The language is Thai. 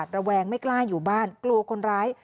ระแวงไม่กล้าอยู่บ้านกลัวคนร้าย